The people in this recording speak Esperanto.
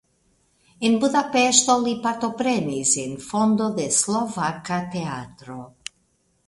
En Budapeŝto li partoprenis en fondo de slovaka teatro.